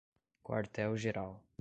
Quartel Geral